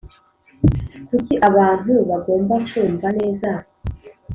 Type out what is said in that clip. Kuki abantu bagomba kumva neza